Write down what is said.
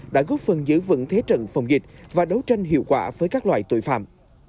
đã góp phần giữ vững thế trận phòng dịch và đấu tranh hiệu quả với các loại tội phạm